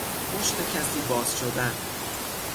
مشت کسی باز شدن